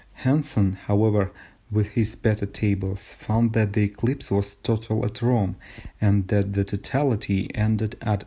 Hansen, however, with his better Tables, found that the eclipse was total at Rome, and that the totality ended at 7.